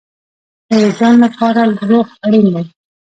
د وجدان لپاره روح اړین دی